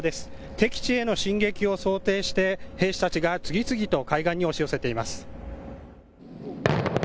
敵地への進撃を想定して兵士たちが次々と海岸に押し寄せています。